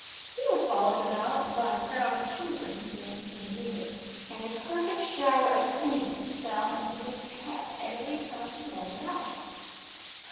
He was followed about by a crowd of children who danced to the music, and a perfect shower of pennies fell into his cap every time he held it out.